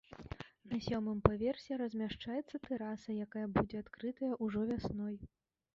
На сёмым паверсе размяшчаецца тэраса, якая будзе адкрытая ўжо вясной.